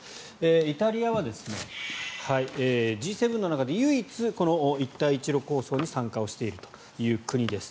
イタリアはＧ７の中で唯一この一帯一路構想に参加しているという国です。